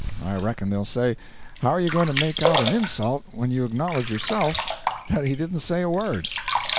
I reckon they'll say, How are you going to make out an insult when you acknowledge yourself that he didn't say a word?'